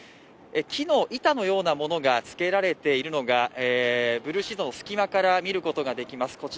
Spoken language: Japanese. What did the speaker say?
木の板のようなものがつけられているのが、ブルーシートの隙間から見ることができます。